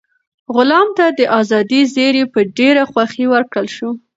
غلام ته د ازادۍ زېری په ډېره خوښۍ ورکړل شو.